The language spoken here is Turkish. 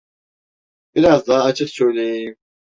Biraz daha açık söyleyeyim: